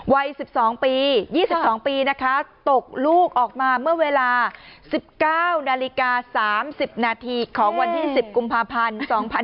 วัย๑๒ปี๒๒ปีนะคะตกลูกออกมาเมื่อเวลา๑๙นาฬิกา๓๐นาทีของวันที่๑๐กุมภาพันธ์๒๕๖๒